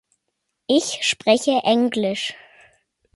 Ich spreche Englisch.